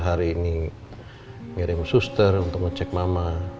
hari ini ngirim suster untuk ngecek mama